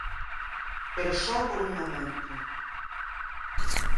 Pero só por un momento.